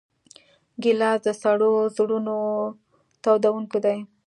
ګیلاس د سړو زړونو تودوونکی دی.